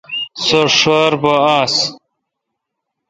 سو ݭر پا آس۔